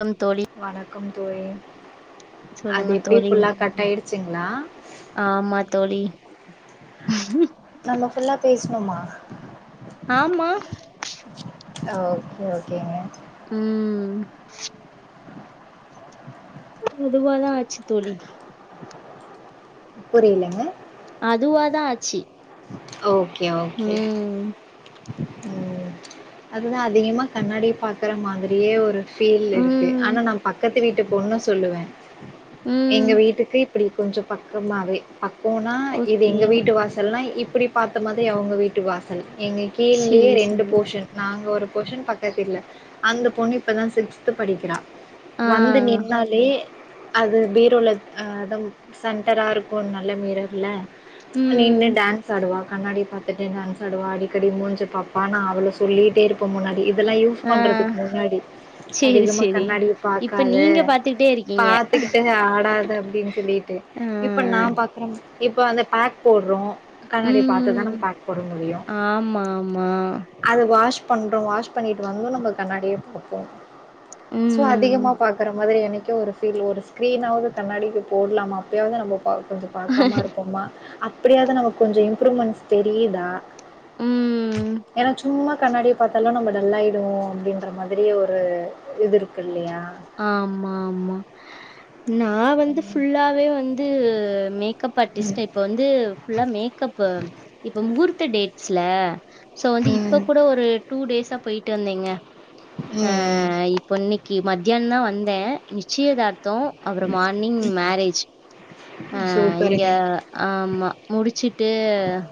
Come தோழி வணக்கம் தோழி அது சொல்லுங்க எப்டி தோழி ஃபுல்லா கட் அய்டுச்சுங்ளா ஆமா தோழி நம்ம ஃபுல்லா பேஸ்னோமா ஆம்மா ஓக்கே ஓக்கேங்க ம் பொதுவாதா ஆச்சு தோழி புரிலங்க அதுவாதா ஆச்சு ஓக்கே ஓக்கே ம் ம் அதுதா அதிகமா கண்ணாடி பாக்குற மாதிரியே ஒரு ஃபீல் இருக்கு ம் ஆனா நா பக்கத்து வீட்டு பொண்ணு சொல்லுவ ம் எங்க வீட்டுக்கு இப்புடி கொஞ்சோ பக்கமாவே பக்கோனா இது ஓகே எங்க வீட்டு வாசல்னா இப்டி பாத்த மாதிரி அவங்க வீட்டு வாசல் எங்க கீழ்ழே சேரி ரெண்டு சேரி போஷன் நாங் ஒரு போஷன் பக்கத்தில்ல அந்த பொண்ணு இப்பதா சிக்ஸ்த்து படிக்கிறா ஆ வந்து நின்னாலே அது பீரோல அ அதா சென்டரா இருக்கோன்னல மீரர்ல ம் டுவா கண்ணாடி பாத்துட்டு டான்ஸ் ஆடுவா அடிக்கடி மூஞ்ச பாப்பா நா அவள சொல்லிட்டே இருப்ப முன்னாடி இ தெல்லா யூஸ் ஆ பண்றதுக் முன்னாடி சேரி அதிகமா சேரி கண்ணாடி இப்ப பாக்காத நீங்க பாத்துக்கிட்டே இருக்கீங்க பாத்துக்கிட்டனு ஆடாத அப்டின் சொல்லீட்டு ஆ இப்ப நா பாக்குற இப்போ வந்து பேக் போட்றோ கண்ணாடிய பாத்துதான ம் பேக் போட முடியு ஆமா ஆமா அது வாஷ் பண்றோ வாஷ் பண்ணிட்டு வந்து நம்ம கண்ணாடிய பாப்போ சோ ம் அதிகமா பாக்கற மாதிரி எனக் கு ஒரு ஃபீல் ஒரு ஸ்கிரீனாவது கண்ணாடிக்கு போட்லாமா அப்டியாவது நம்ம கவ் கொஞ்சோ பாக்காம இருப்போமா அப் புரியாதுங்க எனக் கொஞ்சொ இம்ப்ரூவ்மெண்ட்ஸ் தெரியிதா ம் ஏனா சும்மா கண்ணாடிய பாத்தாலு நம்ம டல்லாய்டுவோ அப்டின்ற மாதிரி ஒரு இது இருக்கு இல்லயா ஆமாம்மா நா வந்து ஃபுல்லாவே வந்து வேணு மேக்கப் ஆர்டிஸ்ட் ம் இப்ப வந்து ஃபுல்லா மேக்கப் இப்ப முகூர்த்த டே ஸ்ல சோ வந்து இப்ப ம் கூட ஒரு டூ டேஸா போயி ட்டு வந்தேங்க ஆ ம் ம் இப்ப இன்னைக்கி மத் தியானம்தா வந்தே நிச்சயதார்த் தோ அப்பறோ மார்னிங் மேரேஜ் ஆ, இங்க சூப்பருங்க ஆமா முடிச்சுட்டு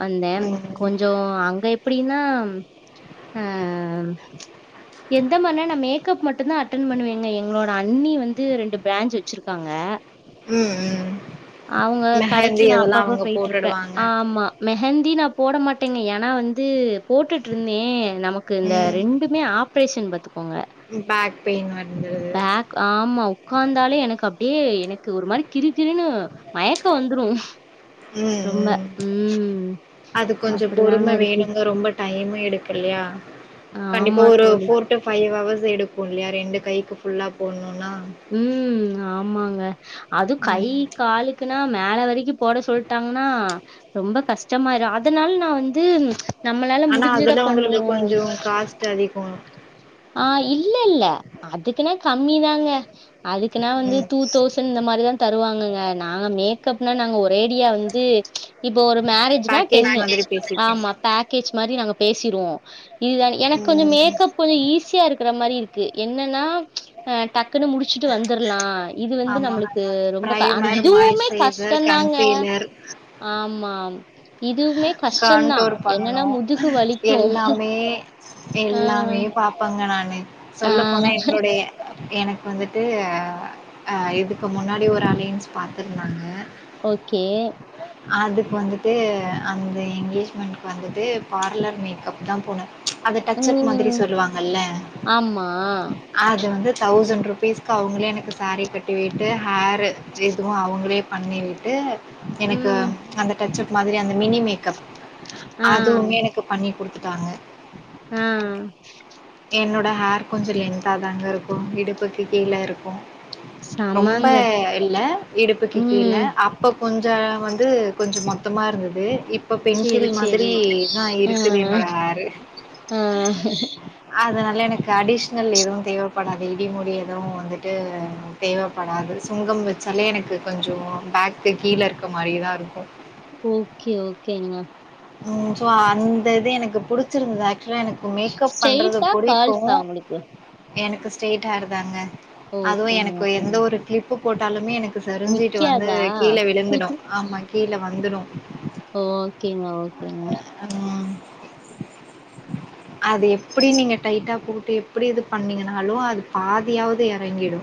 வந்தே ம் கொஞ்சோ அங்க எப்டினா ம், ஆ ம் எந்த மாதிரினா நா மேக்கப் மட்டும்தா அட்டன் பண்ணுவேங்க எங்களோட அண்ணி வந்து ரெண்டு பிரான்ஞ் வச்சிருக்காங்க உம் ம் அவங்க கடைக்கு மெஹந்தி நா அதெல்லா அப்பாப்பா அவங்க பேயிட்டு இருப்பே போட்டுடுவாங்க ஆ ஆமா மெஹந்த் தி நா போட மாட்டேங்க ஏன்னா வந்து போட்டுட்டு இருந்தே நமக்கு இந்த ம் ரெண்டுமே ஆப்ரேஷன் பத் துக்கோங்க பேக் பெயின் வந்துடுது பேக் ஆமா உ்காந்தாலே எனக்கு அப் அப்படியே எனக்கு ஒரு மாரி கிரு கிரனு மயக்கம் வந்துரும் உம் ரொம்ப. உம் ம். அது கொஞ்ச அப்டிதாங்க பொறும இருக்கு. வேணுங்க ரொம்ப டைம் எடுக்கு இல்லையா கண்டிப்பா ஆமா ஒரு தோழி. போர் டு பைவ் அவர்ஸ் எடுக்கு இல்லையா ரெண்டு கைக்கு ஃபுல்லா போடணு உம் ஆமாங்க அது ம் கை காலுக்குன்னா மேல வரைக்கும் போட சொல்லிட்டாங்கன்னா ரொம்ப கஷ்டம்மயிரும் அதனால நா வந்து நம்மளால ஆனா முடிஞ்சத அதுல உங்களுக்கு பண்ணுவோம். கொஞ்ச காஸ்ட் அதிக ஆ இல்லல்ல அதுக்குனா கம்மி தாங்க அதுக்குனா வந்து ம் டூ தௌசண்ட் இந்த மாரிதா தரு தருவாங்கங்க நாங்க மேக்கப்னா நாங்க ஒரேடியா வந்து இப்போ ஒரு மேரேஜ்னா பேக்கேஜ் டென்னு மாதிரி பேசிப்போ ஆமா பேக்கேஜ் மாரி நாங்க பேசிருவோ இதுதா எனக்கு கொஞ்ச ம் மேக்கப் கொஞ்ச ஈஸி க்கற மாரி இருக்கு என்னன்னா அ டக்குன்னு முடிச்சுட்டு வந்தர்லா இது வந்து ஆமா நம்மளுக்கு ரொம்ப க அ ப்ரைமர் இதுவுமே மாய்ஸ்ட்ரைசர் கஷ்டந்தாங்க கன்சீலர் ஆமாம் இ காண்டோர் பண்ணணு வலிக்கு எல்லாமே ஆ எல்லாமே பா ப்பங்க நானு ஆ சொல்ல போனா என்னுடைய எனக்கு வந்துட்டு அ இதுக்கு முன்னாடி ஒரு அலையன்ஸ் பாத்துருந்தாங்க ஓகே அதுக்கு வந்துட்டு அந்த எங்கேஜ்மெண்ட்க் வந்துட்டு பார்லர் மேக்கப் தா போனே அத டச் அப் மாதிரி ம். சொல்லுவாங்கல்ல ஆமா. அது வந்து தௌசண்ட் ருபீஸ் க்கு அவுங்களே எனக்கு சேரி கட்டிவிட்டு ஹேர் இதுவு அவுங்களே பண்ணி விட்டு எனக்கு ம். அந்த டச்ச மாதிரி அந்த மினி மேக்கப் ஆ, அதுவுமே எனக்கு பண்ணி குடுத்துட்டாங்க ஆஹ் அ என்னோட ஹேர் கொஞ்சோ லென்த்தாங்க தாங்க இருக்கு இடுப்புக்கு கீழ இருக்கு ரொம்ப செமங்க. இல்ல இடுப்புக்கு கீழ ம். அப்ப கொஞ்ச வந்து கொஞ்சோ மொத்தமா இருந்துது இப் இப்ப பென்சில் சரி, மாதிரி சரி. தா ஆ, இருக்குது என்னோட ஹேரு ஆ. அதனால எனக்கு அடிஷ்னல் எதுவு தேவப்படாது இதமுடி எதுவு வந்துட்டு தேவப்படாது சுங்கம் வெச்சாலே எனக்கு கொஞ்சோ பேக்கு கீழ இருக்க மாரி தா இருக்கு ஓகே ஓகேங்க ம் சோ அந்த இது எனக்கு புடிச்சிருந்ததா ஸ்டெயிட்டா கேல்ஸா உங்ளுக்கு எனுக்கு ஸ்டெய்ட் ஹேர் தாங்க அதுவு ஓகேங்க, எனக்கு எந்த ஓகேங்க. ஒரு கிளிப்பு போட்டாலுமே எனக் சரிஞ்சிட்டு வந்து நிக்காதா? கீழ விழுந்துடு ஆமா கீழ வந்துடு கேங்க ம் அது எப்டி நீங்க டைட்டா போட்டு எப்டி இது பண்ணீங்கனாலு அது பாதியாவ்து எறங்கிடு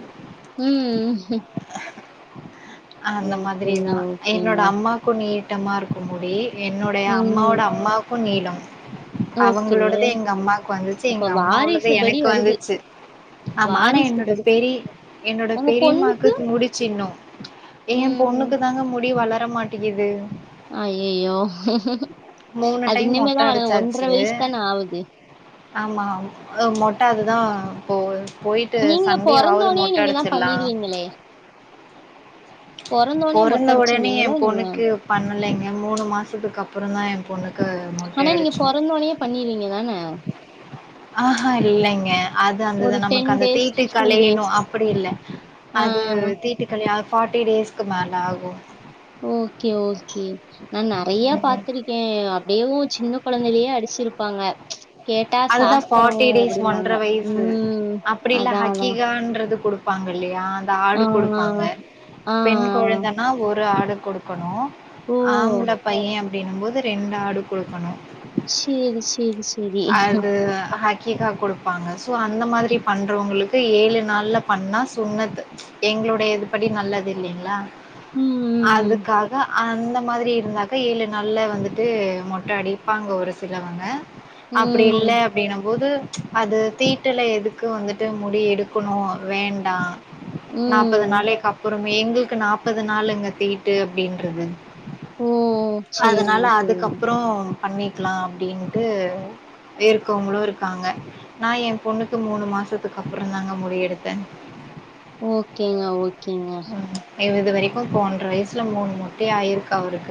உம் உம் அந்த மாதிரி தா என்னோட ஓகேங்க. அம்மாக்கு நீ ட்டமாருக்கு முடி என்னுடைய ம். அம்மாவோட அம்மாவு புன் நீளம் ஓகே. அவங்களோடது எங்க அம்மாக்கு வந்துச்சு அப்ப எங்க அம்மாவோடது வாரிசு படி எனக்கு வருது. வந்துச்சு ஆமா ஆனா வாரிசு என்னோட படி. பெரி என்னோட உங்க பெரிம்மாக்கு பொண்ணுக்கு? முடிச்சு இன்னு ஏன் ம். பொண்ணுக்கு தாங்க முடி வளர மாட் ட்டுகிது அஹ்யயோ ஹூ மூணு டைம் மொட்ட அடுச்சாச்சு வயசு தான ஆவுது. ஆமா மொ ப அது தா போ நீங்க பொறந்ததோனேயே நீங்க தா அடிச்சிடலாம். பண்ணிருவீங்களே பொறந்தோனே மொட்டை பொறந்த ஒடனே அடிச்சிருவீங்களா ஏன் நீங்க பொண்ணுக்கு பண்ணலைங் என் மூணு மாசத்துக்கு அப்பறம் தா என் பொண்ணு கு மொட்ட ஆனா நீங்க அடிச்சோ பொறந்தோனே பண்ணிருவீங்க தானே ஆஹ இல்லங்க அது அந்தத ஒரு நமக்கு டென் அந்த டேஸ் தீட்டு பிப்டீன் டேஸ் கழியணும் அப்டி இல்ல அது ஆஹ் தீட்டுக்கழிய ஃபாட்டி டேஸ்கு மேல ஆகு ஓகே ஓகே நா நறைய ம். பாத்திருக்கேன் வும் சின்ன கொழந்தலயே அடிச்சுருப்பாங்க அது தா ஃபாட்டி டேஸ் ஒன்றர வயசு உம் அப்டில்லா அதான் அதான் ஹக்கீகான்றது குடு ப்பாங்க இல்லயா இந்த ஆடு கொடுப்பாங்க ஆஹ் பெண் ஆஹ் குழந்தனா ஒரு ஆடு கொடுக்கணு ஓ ஆம்பள பையன் அப்டிங்கு போது ரெண்டு ஆடு குடுக்கணு சரி சரி சரி அது ஹக் கீகா குடுப்பாங்க சோ அந்த மாதிரி பண்றவங்களுக்கு ஏழு நாள்ல பண்ணா சுன்னத்து எங்களுடைய இது படி நல்லது இல்லிங்களா உம் அதுக்காக அந்த மாதிரி இருந்தாக்கா ஏழு நாள்ல வந்துட்டு மொட்ட அடிப்பாங்க ஒரு சிலவங்க அப்படி உம் இல் அப்படின் போது அது தீட்டுல எதுக்கு வந்துட்டு முடி எடுக்கணு வேண்டாம் நாற்பது உம் நாளே கப்பு எங்களுக்கு நாற்பது நாள்ங்க தீட்டு அப்படின்றது ஓ அதனால சரிங்க சரிங்க அதுக்கப்புற பண்ணிக்கலா அப்படின்ட்டு இருக்கவங்களு இருக்காங்க நா எம் பொண்ணுக்கு மூணு மாசத்துக்கு அப்பறந் தாங்க முடி எடுத்தே ஓகேங்க ஓகேங்க இ இது வரைக்கு ப்ப ஒன்ற வயசில மூணு மொட்டை ஆகிருக்கு அவருக்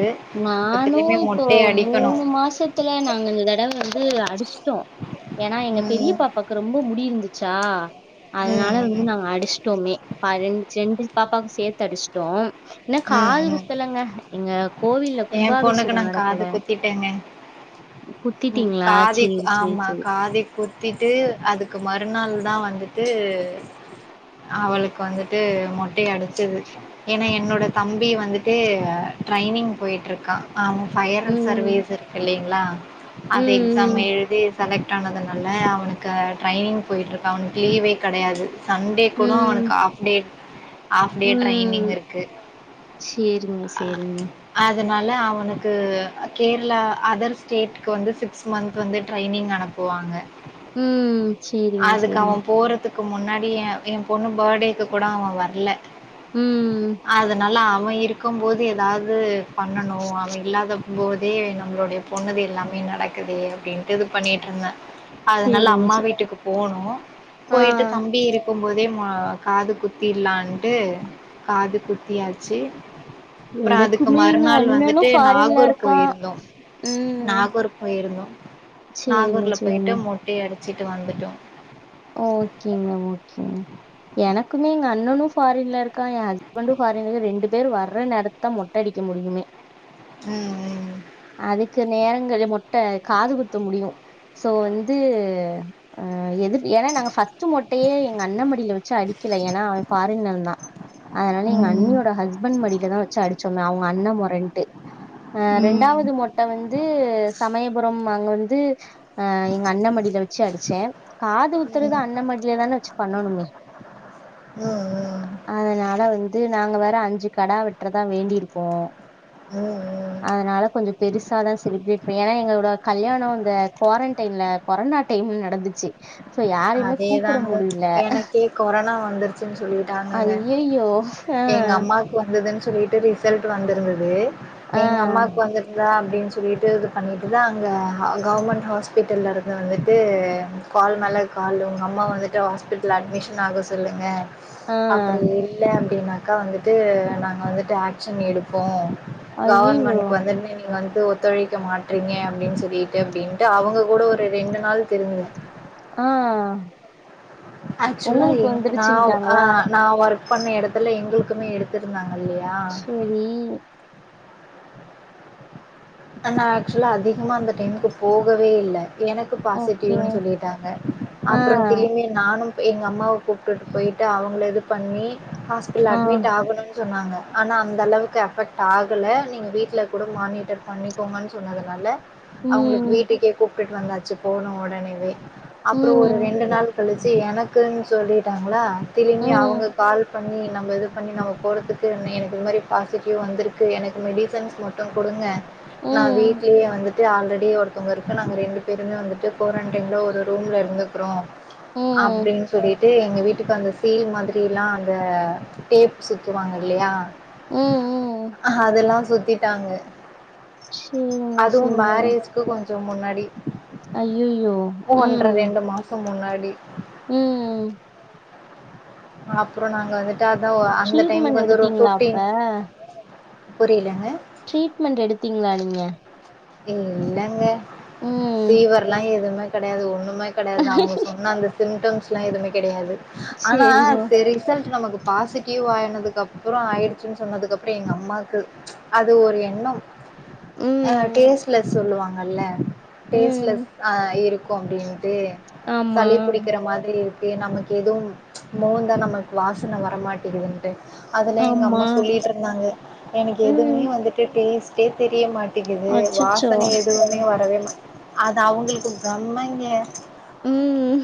நானு இப்போ அடிக்கணும் மூணு மாசத்துல நாங்க இந்த தடவ வந்து அடிச்சிட்டோ ஏன்னா எங்க பெரிய ம் பாப்பாக்கு ரொம்ப முடி இருந்துச்சுங்ளா ஆ அதனால ம் வந்து ம் நாங்க அடிச்சுட்டமே ரெண்டு பாப்பாவுக்கு சேர்த்து அடிச்சுட்டோ இன்னோ காது குத்தலங்க எங்க கோவில்ல ஏம் பொண்ணுக்கு நா கும்பாபிஷேகம் நடக்கல. காது குத்திட்டேங்க ம் குத்திட்டீங்களா? காதே சரி, சரி, ஆமா சரி. காதே குத்திட்டு அதுக்கு மறுநாள் தா வந் துட்டு அவளுக்கு வந்துட்டு மொட்டைய அடு ச்சுது ஏன்னா என்னோட தம்பி வந்து ட்டு டிரெய்னிங் போயிட்ருக்கா ஆமாம் ஃபயர் ம். சர்வீஸ் இருக்கு இல்லைங்க ளா அது ம், எக்ஸாம் ம், எழுதி செலக்ட் ஆனதுனால அவனுக்கு ட்ரைனிங் போயிட்டுருக்கா அவனுக்கு லீவே கடையாது சண்டே கூட அவனுக்கு ஆஃப் டே ஆஃப் டே உம் ட்ரைனிங் இருக்கு. சேரிங்க செரிங்க அதனால அவனுக்கு கேரளா அதர் ஸ்டேட் வந்து சிக்ஸ் மந்த் வந்து ட்ரைனிங் அனுப்புவாங்க ம். சரிங்க, அதுக்கு சரிங்க. அவன் போறதுக்கு க்கு முன்னாடி எ எம் பொண்ணு பர்த்டேக்கு கூட அவ வரல ம். அதனால அவ இருக்கும்போது ஏதாது பண்ணணு அவ இல்லாத போதே நம்மளுடைய பொண்ணது எல்லாமே நடக்குது அப்டின்ட்டு இது பண்ணிட்டு இருந்த அதனால சரிங்க. அம்மா ச வீட்டுக்கு போணு ஓ போயிட்டு ஆ. தம்பி இருக்கும் போதே மா காது குத்திடலான்ட்டு காது குத்தியாச்சு அப்புறம் அதுக்கு எனக்குமே எங்க மறுநாள் வந்துட்டு அண்ணனும் ஃபாரின்ல நாகூர் இருக்கா ம் போயிருந்தோ சேரிங்க நாகூர்ல சேரிங்க போயிட்டு மொட்டைய அடி வெச்சிட்டு வந்துட்டோ ஒ ஓகேங்க ஓகேங்க எனக் க்குமே எங்க அண்ணனு ஃபாரின்ல இருக்கா எ ஹஸ்பண்டு ஃபாரின்ல ரெண்டு பேர் வர்ற நேரத்தா மொட்டைடிக்க முடியுமே ம் ம் சில நேரங்கள மொட்டை காது குத்த முடியு சோ வந்து அ எதிர் ஏன்னா நாங்க ஃபஸ்ட் மொட்டையே எங்க அண்ண மடியில வச்சு அடிக்கல ஏன்னா அவன் ஃபாரின்ல இருந்தா அதனால எங்க ம். ம், அண்ணியோட ஹஸ்பண்ட் மடியில தா வச்சு அடிச்சோ அவங்க அண்ண மொறைன்ட்டு அ ம். ரெண்டாவது மொட்டை வந்து சமயபுரம் அங்க வந் ந்து ஆ எங்க அண்ண மடியில வச்சு அடிச்சே காது குத்துறது ம், அண்ண மடில தான வச்சு பண்ணணுமே ம், ம். அதனால வந்து ந நாங்க வேற அஞ்சு கடா வெட்டுறதா வேண்டியிருக்கோ ம் ம் அதனால கொஞ்ச பெருசாதா செலிப்ரேட் பண்ண ஏன்னா எங்ககூட கல்யாணொ இந்த கோரன்டைன்ல கொரோனா டைம்ல நடந்துச்சு சோ யாரையுமே கூப்புட அதேதாங்க முடியல எனக்கே கொரனா வந்துருச்சுன்னு சொல்லிட்டாங்கங்க ஐயையோ ஆ எங்க அம்மாக்கு வந்ததுன்னு சொல்லிட்டு ரிசல்ட் வந்திருந்தது ஆ எங்க அம்மாக்கு வந்துட்டுத அப்டின்னு சொல்லிட்டு இது பண்ணிட்டு தா அங்கே கவர்மெண்ட் ஹாஸ்பிட்டல்ல இருந்து வந்துட்டு கால் மேலே கால் உங்க அம்மா வந்துட்டு ஹாஸ்பிட்டலில் அட்மிஷன் ஆக சொல்லுங்க ஆ அப்டி இல்ல அப்டின்னாக்கா வந்துட்டு நாங்க வந்துட்டு ஆக்ஷன் எடுப்போ ஐயையோ கவன்மெண்ட்க்கு வந்துட்டுமே நீங்க வந்து ஒத்துழைக்க மாட்டறீங்க அப்டின்னு சொல்லிட்டு அப்டின்னுட்டு அவங்க கூட ஒரு ரெண்டு நாள் தெரிஞ் ஆஹ் ஆக்சுல என்ன நா ஆ நா வொர்க் பண்ண இடத்துல எங்களுக்குமே எடுத்திருந்தாங்க இல்லையா செரி ஆனா ஆக்சுவலா அதிகமா அந்த டைமுக்கு போகவே வே இல்ல எனக்கு ஓகே பாசிட்டிவ்னு சொல்லிட்டாங்க ஆ அப்புறம் திருமபி நானும் எங்க அம்மாவ கூப்பிட்டுட்டு போயி்ட்டு அவங்கள இது பண்ணி ஹாஸ்பிடல ஆ அட்மிட் ஆகணும்னு சொன்னாங்க ஆனா அந்த அளவுக்கு எஃபெக்ட் ஆகல நீங்க வீட்டுல கூட மானிட்டர் பண்ணிக்கோங்கன்னு சொன்னதுனால அவங்களுக்கு ம் வீட்டுக்கே கூ கூப்பிட்டு வந்தாச்சு போன உடனேவே அப்புறோ ஒரு ம் ரெண்டு நாள் கழிச்சு எனக்குன்னு சொல்லிட்டாங்களா திரும்பி அவங்க ம் கால் பண் ணி நம்ம இது பண்ணி நம்ம போறதுக்கு அண்ணே எனக்கு இது மாதிரி பாசிட்டிவ் வந்திருக்கு எனக்கு மெடிசன்ஸ் மட்டு குடுங்க நா ம் வீட்லயே வந்துட் டு ஆல்ரெடி ஒருத்தவங்க இருக்குறாங்க நாங்க ரெண்டு பேருமே வந்துட்டு குவாரண்டைம்ல ஒரு ரூம்ல இருந்துக்கறோ ம். அப்படின் சொல்லி ட்டு எங்க வீட்டுக்கு அந்த சீல் மாதிரி எல்லா அந்த டேப் சுத்துவாங்க இல்லையா ம் ம் அதெல்லாம் சுத்திட்டாங்க சரிங்க, அதுவு மேரேஜ்க்கு கொஞ் ச முன்னாடி அய்யயோ உம் டி உம் அப்புற நாங்க வந் து தா அந்த டைம்க்கு ட்ரீட்மெண்ட் வந்து ஒரு எடுத்தீங்களா அப்ப? பிஃப்டீன் புரியலங்க ட்ரீட்மெண்ட் எடுத்தீங்களா நீங்க இல்லங்க ம். ஃபீவர்ல்லா எதுவுமே கெடையாது ஒன்னும் மே கெடையாது அவங்க சொன்ன அந்த சிம்டம்ஸ் லா எதுவுே கெடையாது ஆனா சரிங்க. சரி ரிசல்ட் நமக்கு பாசிட்டிவ் ஆயனதுக்கப்புறோ ஆயிடுச்சுன்னு சொன்னதுக்கப்புறோ எங்க அம்மாக்கு அது ஒரு எண்ணம் ஆ ம், டேஸ்ட்லஸ் சொல்லுவாங் கல்ல ம். டேஸ்ட்லெஸ் ஆஹ் இருக் கு அப்டின் ட்டு ஆமா, சளி புடிக்கிற மாதிரி நமக்கு எதும் மோந்தா நமக்கு வாசன வரமாட்டிங்குதுன்ட்டு அதுல எங்க அம்மா ஆமா. சொல்லிட்டு இருந்தாங்க எனக்கு ம். எதுவுமே வந்துட்டு டேஸ் டே தெரிய மாட் டிங்குது அச்சச்சோ! வாசன எதுவுமே வரவே மாட் அது அவங்களுக்கு பிரம்மைங்க உம்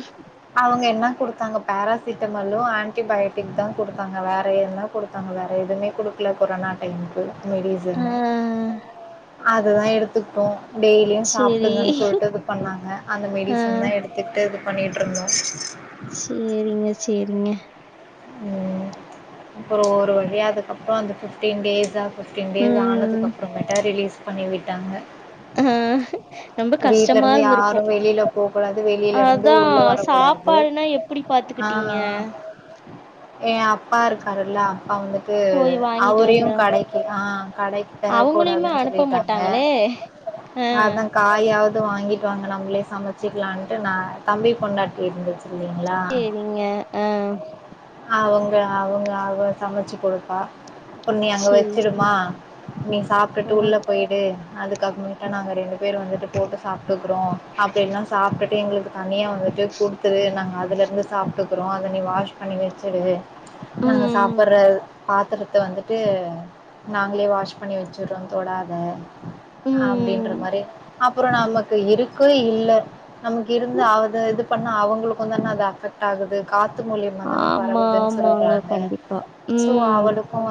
அவுங்க என்ன குடுத்தாங்க பேராசிட்டமாலு ஆன்டிபயட்டிக் தா குடுத்தாங்க வேறு எதுனா குடுத்தாங்க வேறு எதுவுமே குடுக்கல கொரோனா டைமுக்கு மெடிசனு உம் அதுதா எடுத்து துக்ட்டோ டெய்லியு சரி. சாப்பிடுங்கன்னு சொல்லிட்டு இது பண்ணாங்க அந்த ஆ. மெடிசன் தா எடுத்துகிட்டு இது பண்ணிட்டு இருந்தோ செரிங்க செரிங்க உம் அப்புற ஒரு வழியா அதுக்கப்புற அந்த ஃபிஃப்டீன் டேஸ் ஆ ஃபிஃப்டீ டேஸ் ம். ஆனதுக்கப்புறமேட்டு ரிலீஸ் பண்ணிவிட்டாங்க அஹ் ரொம்ப கஷ்டமா இருந்து இருந்திருக்கு யாரு வெளில போக்கூடாது வெளில இருந்து அதா உள்ள வரக்கூடாது சாப்பாடுன்னா எப்படி பாத்துக்கிட்டீங்க எ அப்பா இருக்காருல்ல அவுங்கக்கு போய் வாங்கிட்டு அவரையு வந்து கடைக்கு ஆஹ் கடைக்கு அவங்களையுமே தரக்கூடாதுன்னு அனுப்ப சொல்லிட்டாங்க மாட்டாங்களே ஆ அதா காயாவது வாங்கிட்டு வாங்க நம்மளே சமைச்சிக்கலாம்ட்டு நா தம்பி பொண்டாட்டி இருந்துச்சு இல்லைங்களா சேரிங்க ஆஹ் அவங்க அவங்க அவ சமைச்சு குடுப்பா அப்பற நீ அங்க சேரி வச்சிடுமா நீ ஆ சாப்பிட்டுட்டு உள்ள போயிடு அதுக்கப்பறமேட்டு நாங்க ரெண்டு பேரு வந்துட்டு போட்டு சாப்பிட்டுக்குறோ அப்படிலா சாப்பிட்டுட்டு எங்குளுக்கு தனியா வந்துட்டு குடுத்துரு நாங்க அதலருந்து சாப்பிட்டுக்குறோ அதை நீ வாஷ் பண்ணி வச்சுடு நாங்க ம் சாப்பிடுற பாத்திரத்தை வந்துட்டு நாங்களே வாஷ் பண்ணி வச்சுடுறோ தொடாத அப்படின்ற ம் மாதிரி அப்புற நமக்கு இருக்கு இல்ல நமக்கு இருந்து அவ்த இது பண்ணா அவங்களுக்குந் தான அது அஃபெக்ட் ஆகுது காத்து மூலி ஆம்மா ஆமாங்க கண்டிப்பா சோ உம் அவளுக்கும்